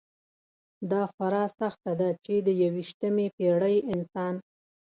دا خورا سخته ده چې د یویشتمې پېړۍ انسان.